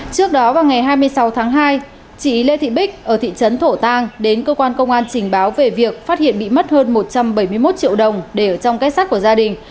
trước đó vào ngày hai mươi sáu tháng hai chị lê thị bích ở thị trấn thổ tàng đến cơ quan công an trình báo về việc phát hiện bị mất hơn một trăm bảy mươi một triệu đồng để ở trong kết sắt của gia đình